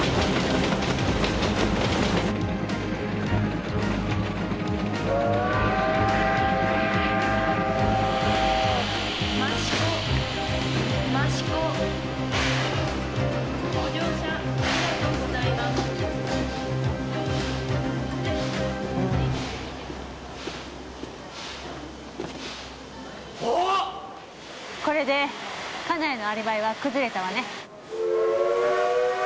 これで金谷のアリバイは崩れたわね。